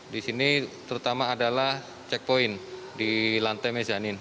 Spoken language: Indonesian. di sini terutama adalah checkpoint di lantai mezanin